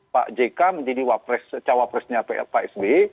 pak jk menjadi cawa presnya pak sbi